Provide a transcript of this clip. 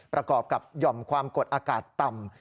ประกอบกับหย่อมความกดอากาศต่ำ